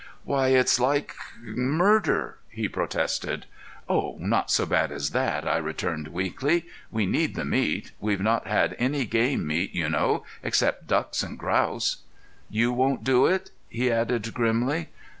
"Why it's like murder," he protested. "Oh, not so bad as that," I returned, weakly. "We need the meat. We've not had any game meat, you know, except ducks and grouse." "You won't do it?" he added, grimly.